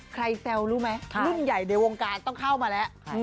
ใครเซลล์รู้มั้ยรุ่นใหญ่ในวงการต้องเข้ามาละ